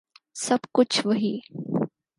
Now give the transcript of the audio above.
سَب کُچھ وہی